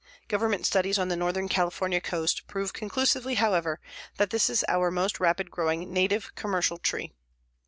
Government studies on the northern California coast prove conclusively, however, that this is our most rapid growing native commercial tree.